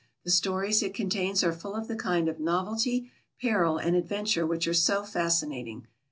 The stories it contains are full of the kind of novelty, peril, and adventure which are so fascinating.